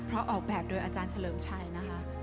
เพราะออกแบบโดยอาจารย์เฉลิมชัยนะคะ